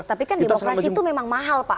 tapi kan demokrasi itu memang mahal pak